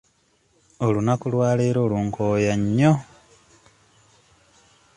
Olunaku lwa leero lunkooya nnyo.